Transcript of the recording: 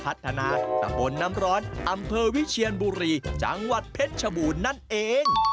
ตำบลน้ำร้อนอำเภอวิเชียนบุรีจังหวัดเพชรชบูรณ์นั่นเอง